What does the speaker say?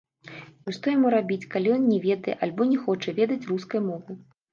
І што яму рабіць, калі ён не ведае альбо не хоча ведаць рускай мовы?